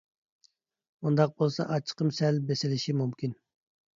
مۇنداق بولسا ئاچچىقىم سەل بېسىلىشى مۇمكىن.